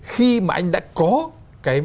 khi mà anh đã có cái